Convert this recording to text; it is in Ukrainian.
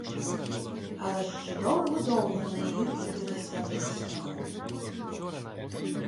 Але ще довго-довго не могли прийти до себе від страху.